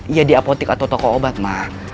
iya di apotek atau toko obat mak